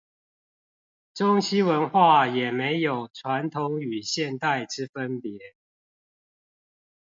中西文化也沒有傳統與現代之分別